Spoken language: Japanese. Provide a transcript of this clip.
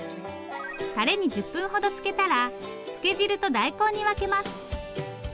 タレに１０分ほどつけたらつけ汁と大根に分けます。